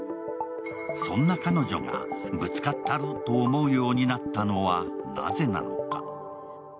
そんな彼女が「ぶつかったる」と思うようになったのはなぜなのか。